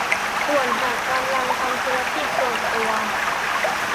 ส่วนหากกำลังทำธุรกิจส่วนตัว